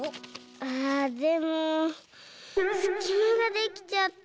あでもすきまができちゃった。